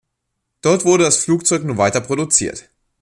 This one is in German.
Dort wurde das Flugzeug nun weiter produziert.